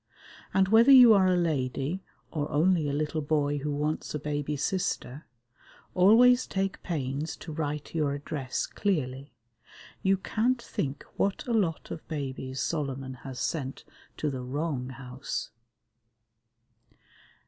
And whether you are a lady or only a little boy who wants a baby sister, always take pains to write your address clearly. You can't think what a lot of babies Solomon has sent to the wrong house.